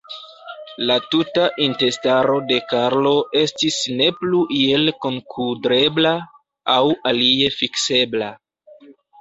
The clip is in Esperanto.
La tuta intestaro de Karlo estis ne plu iel kunkudrebla aŭ alie fiksebla.